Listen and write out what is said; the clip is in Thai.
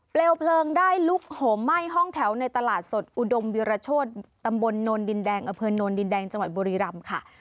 เพลิงได้ลุกโหมไหม้ห้องแถวในตลาดสดอุดมวิรโชธตำบลโนนดินแดงอำเภอโนนดินแดงจังหวัดบุรีรำค่ะ